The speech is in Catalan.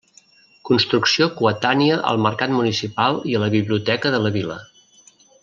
Construcció coetània al mercat municipal i a la biblioteca de la vila.